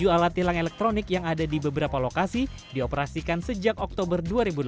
tujuh alat tilang elektronik yang ada di beberapa lokasi dioperasikan sejak oktober dua ribu delapan belas